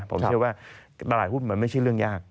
ผมเชื่อว่าตลาดหุ้นมันไม่ใช่เรื่องยาก